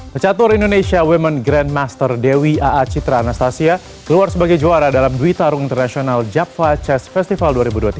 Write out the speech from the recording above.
pecatur indonesia women grandmaster dewi aa citra anastasia keluar sebagai juara dalam duitarung internasional jabva chest festival dua ribu dua puluh tiga